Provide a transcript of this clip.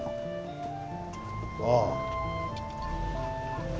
ああ。